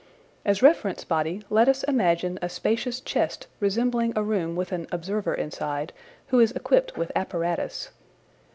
As reference body let us imagine a spacious chest resembling a room with an observer inside who is equipped with apparatus.